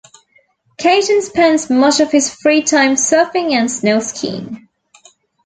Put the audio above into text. Caton spends much of his free time surfing and snow skiing.